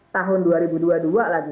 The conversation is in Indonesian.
tahun dua ribu dua puluh dua lagi